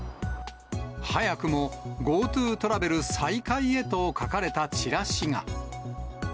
早くもＧｏＴｏトラベル再開へと書かれたチラシが。